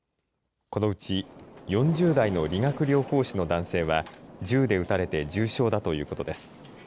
このうち４０代の理学療法士の男性は、銃で撃たれて重傷だということです。